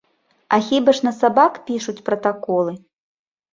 А хіба ж на сабак пішуць пратаколы?